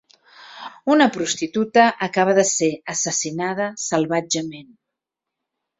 Una prostituta acaba de ser assassinada salvatgement.